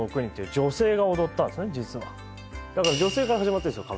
だから女性から始まってるんですよ